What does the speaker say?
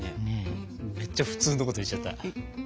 めっちゃ普通のこと言っちゃった。